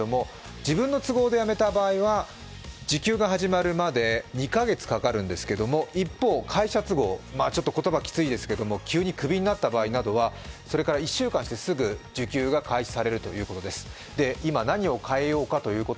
失業保険なんですけれども自分の都合で辞めた場合は受給が始まるまで２か月かかるんですけど、一方、会社都合、言葉きついですけれども急にクビになった場合などはそれから１週間してすぐ受給が開始されるということです。